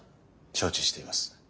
承知しています。